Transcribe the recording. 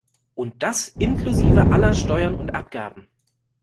Und das inklusive aller Steuern und Abgaben.